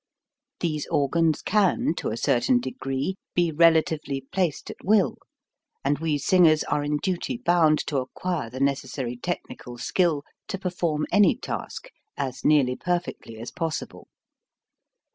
These organs can, to a certain degree, be relatively placed at will, and we singers are in duty bound to acquire the necessary technical skill to perform any task as nearly perfectly as possible.